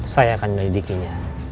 saya akan mendidikinya